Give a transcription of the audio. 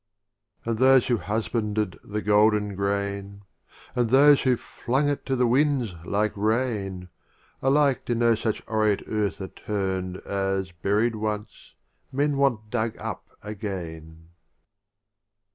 XV. RubaUyat And those who husbanded the of Omar p .. Khayyam Golden grain, And those who flung it to the winds like Rain, Alike to no such aureate Earth are turn'd As, buried once, Men want dug up again.